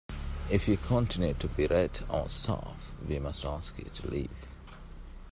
If you continue to berate our staff we must ask you to leave.